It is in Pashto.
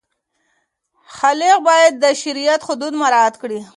خلع باید د شریعت حدود مراعت کړي.